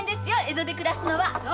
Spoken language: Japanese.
江戸で暮らすのは。